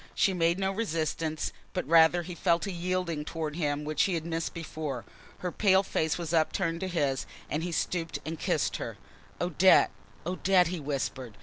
She made no resistance, but rather he felt a yielding towards him which he had missed before. Her pale face was upturned to his and he stooped and kissed her. "Odette! Odette!" he whispered.